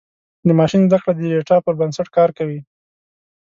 د ماشین زدهکړه د ډیټا پر بنسټ کار کوي.